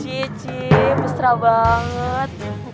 cici besra banget